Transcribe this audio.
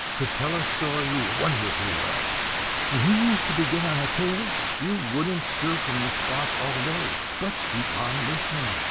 could tell a story wonderfully well. When he used to begin on a tale, you wouldn't stir from the spot all day, but keep on listening.